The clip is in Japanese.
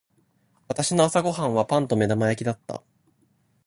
私の朝ご飯はパンと目玉焼きだった。